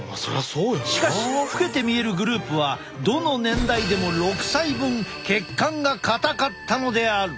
しかし老けて見えるグループはどの年代でも６歳分血管が硬かったのである！